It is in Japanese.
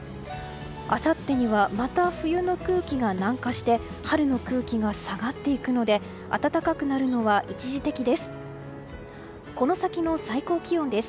あさってにはまた冬の空気が南下して春の空気が下がっていくので暖かくなるのは一時的です。